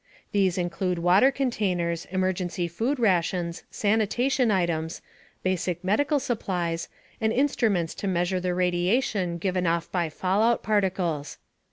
These include water containers, emergency food rations, sanitation items, basic medical supplies, and instruments to measure the radiation given off by fallout particles.